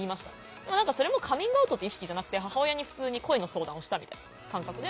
でもそれもカミングアウトって意識じゃなくて母親に普通に恋の相談をしたみたいな感覚で。